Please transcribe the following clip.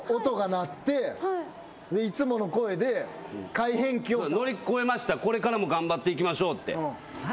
いつもの声で「改編期を」「乗り越えましたこれからも頑張っていきましょう」